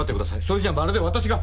それじゃまるで私が！